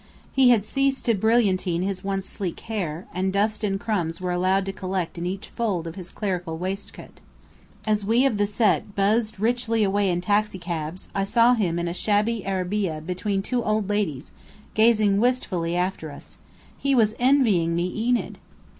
He had ceased to brilliantine his once sleek hair, and dust and crumbs were allowed to collect in each fold of his clerical waistcoat. As we of the Set buzzed richly away in taxicabs, I saw him in a shabby arabeah between two old ladies, gazing wistfully after us. He was envying me Enid!